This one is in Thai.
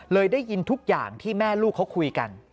ได้ยินทุกอย่างที่แม่ลูกเขาคุยกัน